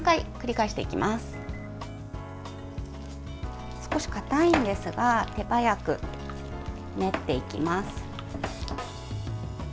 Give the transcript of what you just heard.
少しかたいんですが手早く練っていきます。